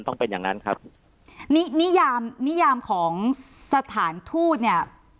ต้องเป็นอย่างนั้นครับนินิยามนิยามของสถานทูตเนี่ย